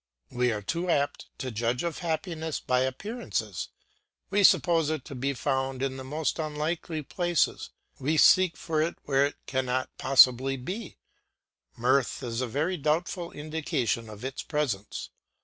We are too apt to judge of happiness by appearances; we suppose it is to be found in the most unlikely places, we seek for it where it cannot possibly be; mirth is a very doubtful indication of its presence.